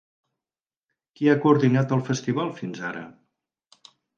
Qui ha coordinat el festival fins ara?